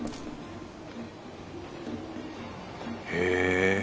へえ